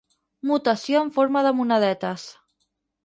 Mutació en forma de monedetes.